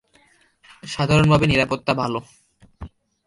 সাধারণভাবে নিরাপত্তা ভাল।